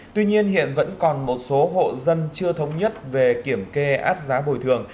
tuy nhiên hiện vẫn còn một số hộ dân chưa thống nhất về kiểm kê át giá bồi thường